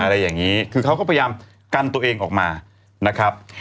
อะไรอย่างนี้คือเขาก็พยายามกันตัวเองออกมานะครับ